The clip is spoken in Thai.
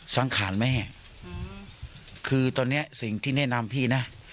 สังขารแม่คือตอนนี้สิ่งที่แนะนำพี่นะ